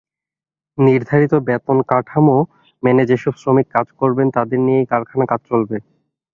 নির্ধারিত বেতনকাঠামো মেনে যেসব শ্রমিক কাজ করবেন, তাঁদের দিয়েই কারখানার কাজ চলবে।